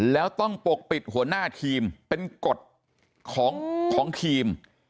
แล้วต้องปกปิดหัวหน้าทีมเป็นกฎของทีม